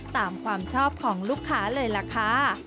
ตามความชอบของลูกค้าเลยล่ะค่ะ